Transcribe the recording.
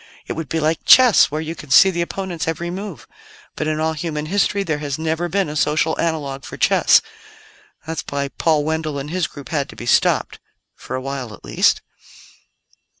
It would be like chess, where you can see the opponent's every move. But in all human history there has never been a social analogue for chess. That's why Paul Wendell and his group had to be stopped for a while at least."